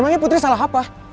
emangnya putri salah apa